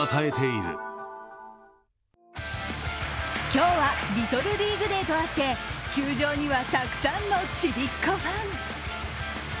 今日はリトルリーグ・デーとあって、球場にはたくさんのちびっ子ファン。